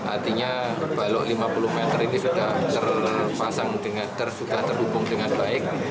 artinya balok lima puluh meter ini sudah terpasang terhubung dengan baik